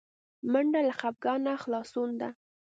منډه له خپګانه خلاصون ده